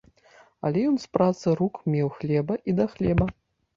Але ён з працы рук меў хлеба і да хлеба.